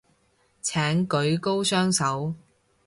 請舉高雙手